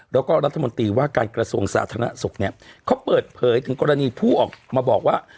แล้วก็รัฐมนตรีว่าการกระทรวงสาธารณสุขเนี่ยเขาเปิดเผยถึงกรณีผู้ออกมาบอกว่า